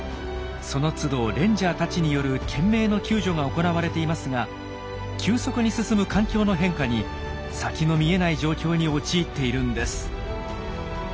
そのつどレンジャーたちによる懸命の救助が行われていますが急速に進む環境の変化に先の見えない状況に陥っているんです。